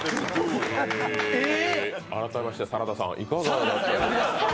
改めましてサラダさん、いかがでしたか。